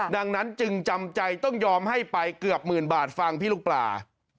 ดังนั้นจึงจำใจต้องยอมให้ไปเกือบหมื่นบาทฟังพี่ลูกปลา